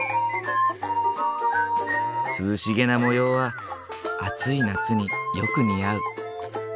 涼しげな模様は暑い夏によく似合う。